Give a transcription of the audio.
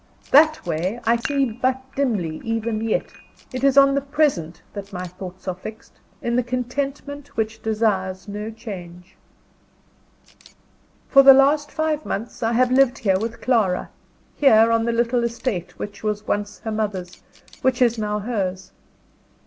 That way, I see but dimly even yet. It is on the Present that my thoughts are fixed, in the contentment which desires no change. For the last five months I have lived here with Clara here, on the little estate which was once her mother's, which is now hers.